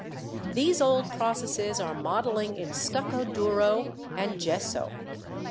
These old processes are modelling in Stucco duro and Gesso.